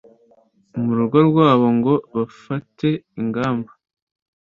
mu rugo rwabo ngo bafate ingamba